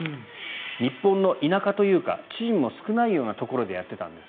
日本の田舎というかチームも少ないようなところでやってたんです。